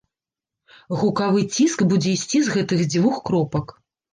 Гукавы ціск будзе ісці з гэтых дзвюх кропак.